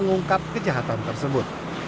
ungkap kejahatan tersebut